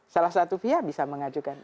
salah satu via bisa mengajukan